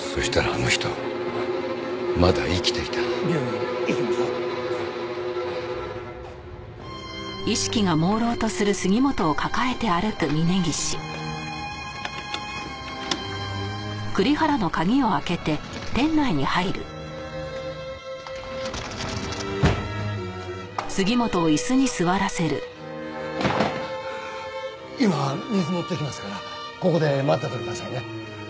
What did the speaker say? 今水持ってきますからここで待っててくださいね。